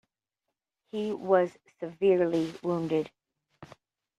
He was severely wounded.